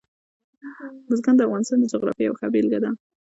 بزګان د افغانستان د جغرافیې یوه ښه بېلګه ده.